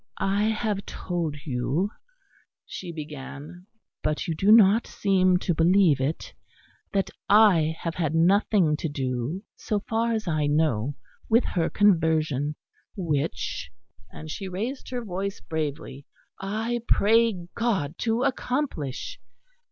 "I have told you," she began "but you do not seem to believe it that I have had nothing to do, so far as I know, with her conversion, which" and she raised her voice bravely "I pray God to accomplish.